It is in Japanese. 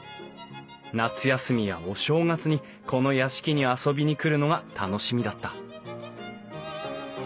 夏休みやお正月にこの屋敷に遊びに来るのが楽しみだった。